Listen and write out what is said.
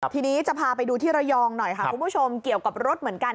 ทีนี้จะพาไปดูที่ระยองหน่อยค่ะคุณผู้ชมเกี่ยวกับรถเหมือนกัน